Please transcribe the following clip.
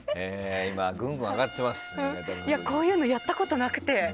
こういうのやったことなくて。